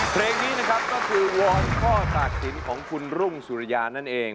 เพลงนี้นะครับก็คือวอนข้อตัดสินของคุณรุ่งสุริยานั่นเอง